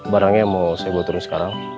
barangnya mau saya buatin sekarang